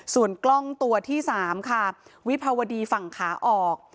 ส่วนกล้องตัวที่๓ค่ะวิภาวดีฝั่งขาออก